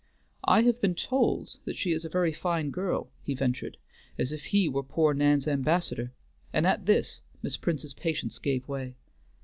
"I have been told that she is a very fine girl," he ventured, as if he were poor Nan's ambassador; and at this Miss Prince's patience gave way.